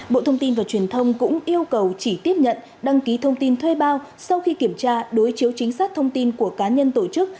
bộ thông tin và truyền thông cũng yêu cầu chỉ tiếp nhận đăng ký thông tin thuê bao sau khi kiểm tra đối chiếu chính xác thông tin của cá nhân tổ chức